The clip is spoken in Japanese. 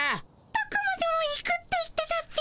どこまでも行くって言ってたっピ。